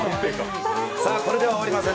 これでは終わりません。